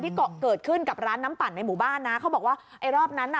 เกาะเกิดขึ้นกับร้านน้ำปั่นในหมู่บ้านนะเขาบอกว่าไอ้รอบนั้นน่ะ